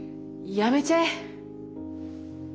やめちゃえ！